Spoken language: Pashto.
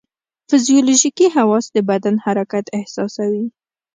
فزیولوژیکي حواس د بدن حرکت احساسوي.